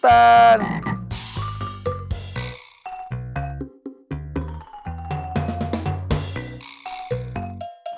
tunggu om jin